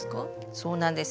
そうなんです。